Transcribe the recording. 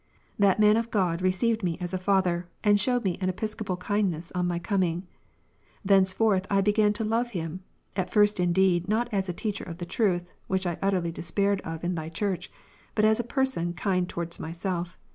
That man of God received me as a father, and shewed me an Episcopal kindness on my coming. Thenceforth I began to love him, at first indeed not as a teacher of the truth, (which I utterly despaired of in Thy Church,) but as a person kind towards myself.